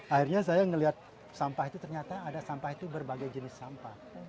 akhirnya saya melihat sampah itu ternyata ada sampah itu berbagai jenis sampah